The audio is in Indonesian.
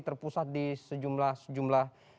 terpusat di sejumlah